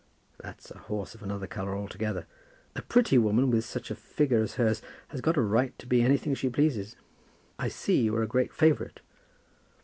"That's a horse of another colour altogether. A pretty woman with such a figure as hers has got a right to be anything she pleases. I see you are a great favourite."